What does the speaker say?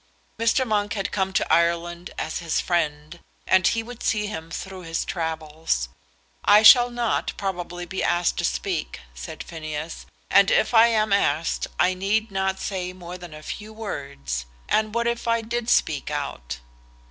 Mr. Monk had come to Ireland as his friend, and he would see him through his travels. "I shall not, probably, be asked to speak," said Phineas, "and if I am asked, I need not say more than a few words. And what if I did speak out?"